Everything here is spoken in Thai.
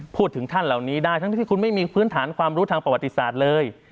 พูดถึงท่านเหล่านี้ได้ทั้งที่คุณไม่มีพื้นฐานความรู้ทางประวัติศาสตร์เลย